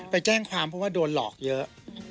ไปแจ้งความเพราะว่าโดนหลอกเยอะ